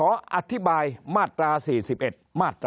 คนในวงการสื่อ๓๐องค์กร